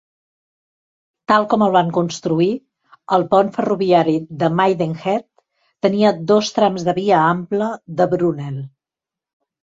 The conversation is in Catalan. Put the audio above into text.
Tal com el van construir, el pont ferroviari de Maidenhead tenia dos trams de via ampla de Brunel.